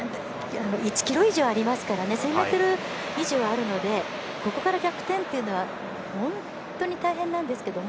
１ｋｍ以上ありますから１０００ｍ以上あるのでここから逆転というのは本当に大変なんですけども